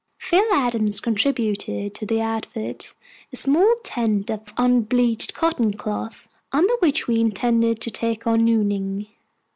Phil Adams contributed to the outfit a small tent of unbleached cotton cloth, under which we intended to take our nooning.